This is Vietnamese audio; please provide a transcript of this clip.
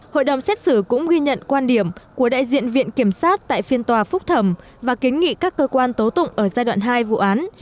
hội đồng xét xử cũng ghi nhận quan điểm của đại diện viện kiểm sát tại phiên tòa phúc thẩm và kiến nghị các cơ quan tố tụng ở giai đoạn hai vụ án